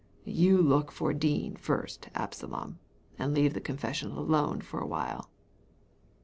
You look for Dean first, Absalom, and leave the confession alone for a whfle."